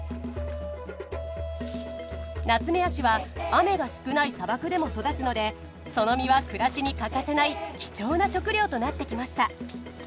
ナツメヤシは雨が少ない砂漠でも育つのでその実は暮らしに欠かせない貴重な食料となってきました。